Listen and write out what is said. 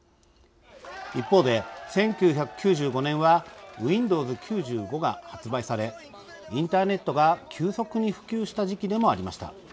一方で、１９９５年はウインドウズ９５が発売されインターネットが急速に普及した時期でもありました。